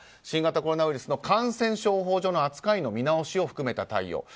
新型コロナウイルスの感染症法上の扱いの見直しを含めた対応。